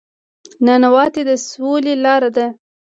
نانواتې د سولې لاره ده